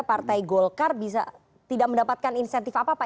partai golkar bisa tidak mendapatkan insentif apa pak